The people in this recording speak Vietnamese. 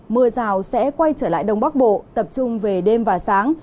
mưa rào sẽ quay trở lại đông bắc bộ tập trung về đêm và sáng